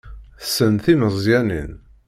Tessen timeẓyanin.